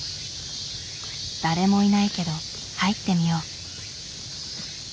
誰もいないけど入ってみよう。